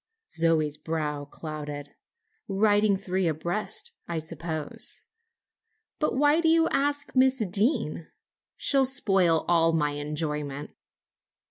Zoe's brow clouded. "Riding three abreast, I suppose. But why did you ask Miss Deane? She'll spoil all my enjoyment."